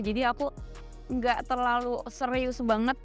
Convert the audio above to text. jadi aku enggak terlalu serius banget